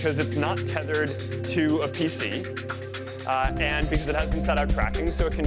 karena ini tidak terbuka dengan pc dan karena ini memiliki tracking di dalam